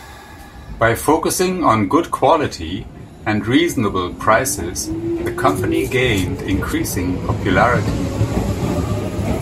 By focusing on good quality and reasonable prices, the company gained increasing popularity.